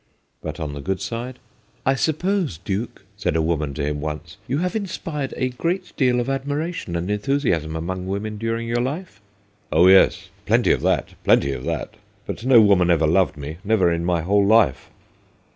But on the good side ? c I suppose, Duke,' said a woman to him once, 'you have inspired a great deal of admiration and enthusiasm among women during your life ?'' Oh, yes, plenty of that ! plenty of that ! But no woman ever loved me : never in my whole life.'